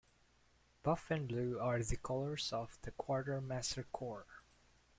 Buff and blue are the colors of the Quartermaster Corps.